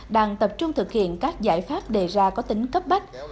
đang tập trung thực hiện các giải pháp đề ra có tính cấp bách